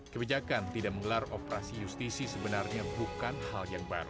kebijakan tidak menggelar operasi justisi sebenarnya bukan hal yang baru